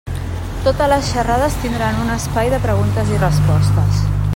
Totes les xerrades tindran un espai de preguntes i respostes.